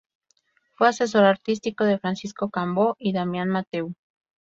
Fue asesor artístico de Francisco Cambó y Damián Mateu.